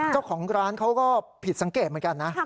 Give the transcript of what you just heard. เจ้าของร้านเขาก็ผิดสังเกตเหมือนกันนะ